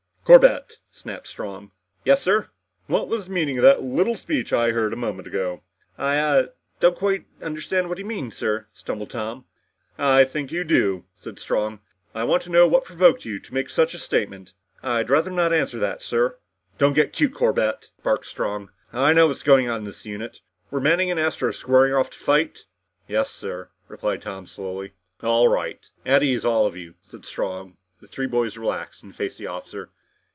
"Corbett?" snapped Strong. "Yes, sir?" "What was the meaning of that little speech I heard a moment ago?" "I ah don't quite understand what you mean, sir," stumbled Tom. "I think you do," said Strong. "I want to know what provoked you to make such a statement." "I'd rather not answer that, sir." "Don't get cute, Corbett!" barked Strong. "I know what's going on in this unit. Were Manning and Astro squaring off to fight?" "Yes, sir," replied Tom slowly. "All right. At ease all of you," said Strong. The three boys relaxed and faced the officer.